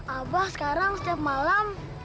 abah sekarang setiap malam